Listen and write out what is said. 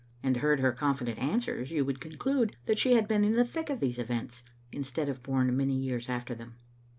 and heard her confident answers, you would conclude that she had been in the thick of these events, instead of bom many years after them.